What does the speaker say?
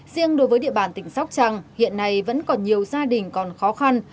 riêng đối với địa bàn tỉnh sóc trăng hiện nay vẫn còn nhiều gia đình còn khó khăn